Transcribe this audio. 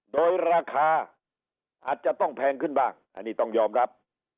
โดยราคาอาจจะต้องแพงขึ้นบ้างอันนี้ต้องยอมรับ